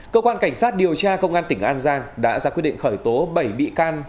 cơ quan cảnh sát điều tra công an tỉnh an giang đã ra quyết định khởi tố bảy bị can